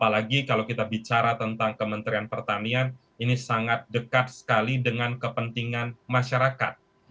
apalagi kalau kita bicara tentang kementerian pertanian ini sangat dekat sekali dengan kepentingan masyarakat